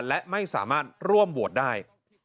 และไม่สามารถร่วมโหวตได้